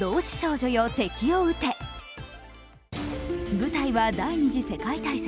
舞台は第二次世界大戦。